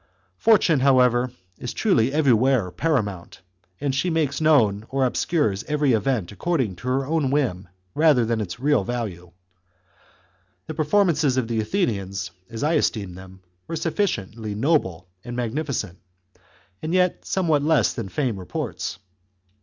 Fortune, however, is truly everywhere paramount, chap. and she makes known or obscures every event accord ing to her own whim rather than its real value. The performances of the Athenians, as I esteem them, were sufficiently noble and magnificent, and yet some what less than fame reports.